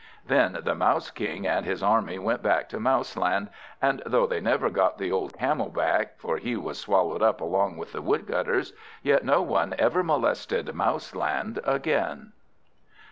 Then the Mouse King and his army went back to Mouseland; and though they never got the old Camel back (for he was swallowed up along with the Woodcutters), yet no one ever molested Mouseland again.